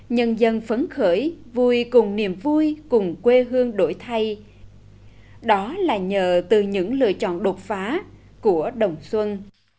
nhân dân phấn khởi vui cùng niềm vui cùng quê hương đổi thay đó là nhờ từ những lựa chọn đột phá của đồng xuân